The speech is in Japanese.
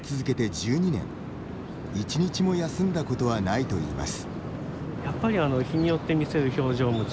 １日も休んだことはないといいます。